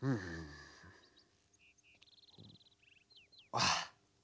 ああ